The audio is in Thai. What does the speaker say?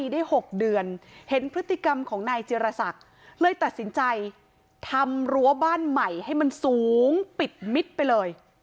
ได้๖เดือนเห็นพฤติกรรมของนายเจรศักดิ์เลยตัดสินใจทำรั้วบ้านใหม่ให้มันสูงปิดมิดไปเลย